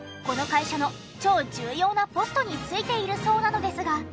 この会社の超重要なポストに就いているそうなのですが。